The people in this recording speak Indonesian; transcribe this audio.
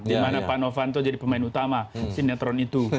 di mana pak novanto jadi pemain utama sinetron itu